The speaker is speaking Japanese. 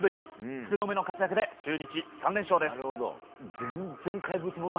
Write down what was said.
福留の活躍で、中日３連勝です。